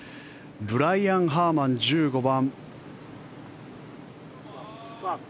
ブライアン・ハーマン、１５番。